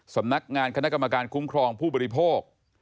สำนักงานคณะกรรมการคุ้มครองผู้บริโภค